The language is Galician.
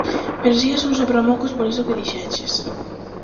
Merecías un sopramocos por iso que dixeches.